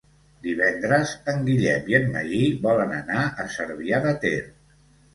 Divendres en Guillem i en Magí volen anar a Cervià de Ter.